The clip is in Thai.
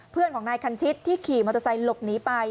เพื่อนของนายคันชิตที่ขี่มอเตอร์ไซค์หลบหนีไป